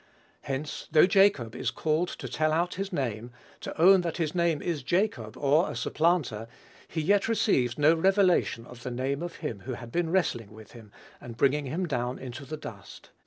Hence, though Jacob is called to tell out his name, to own that his name is "Jacob, or a supplanter," he yet receives no revelation of the name of him who had been wrestling with him, and bringing him down into the dust.